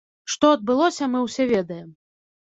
Што адбылося, мы ўсе ведаем.